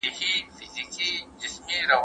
د کار او کور ستونزې باید جلا مدیریت شي.